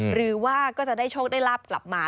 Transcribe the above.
หรือว่าก็จะได้โชคได้ลาบกลับมา